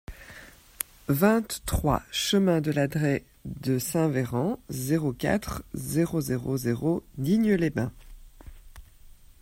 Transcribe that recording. vingt-trois chemin de L'Adrech de Saint-Véran, zéro quatre, zéro zéro zéro Digne-les-Bains